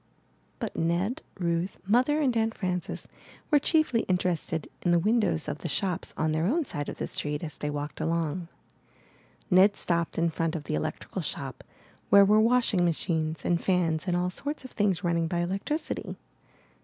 But Ned, Ruth, Mother, and Aunt Frances were chiefly interested in the windows of the shops on their own side of the street, as they walked along. Ned stopped in front of the electrical shop, where were washing machines and fans and all sorts of things running by electricity.